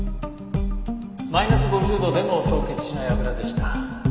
マイナス５０度でも凍結しない油でした。